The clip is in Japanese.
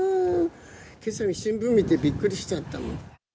けさの新聞見てびっくりしちゃったもん。